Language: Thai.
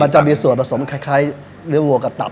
จะมีส่วนผสมคล้ายเนื้อวัวกับเต่า